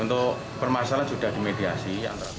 untuk permasalahan sudah dimediasi